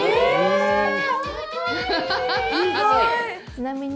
ちなみに。